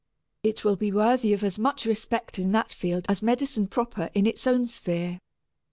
It will be worthy of as much respect in that field as medicine proper in its own sphere.